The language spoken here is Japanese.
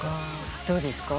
どうですか？